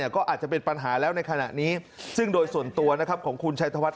ก็อาจจะเป็นปัญหาแล้วในขณะนี้ซึ่งโดยส่วนตัวนะครับของคุณชัยธวัฒ